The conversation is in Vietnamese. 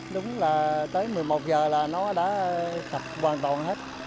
đúng là tới mười một giờ là nó đã sạch hoàn toàn hết